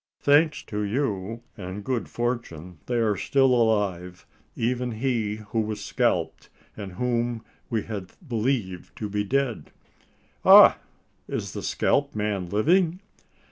"Thanks to you and good fortune, they are still alive even he who was scalped, and whom we had believed to be dead." "Ah! is the scalped man living?"